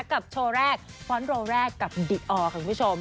กับโชว์แรกฟ้อนโรแรกกับดิออค่ะคุณผู้ชม